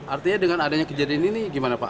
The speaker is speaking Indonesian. artinya dengan adanya kejadian ini gimana pak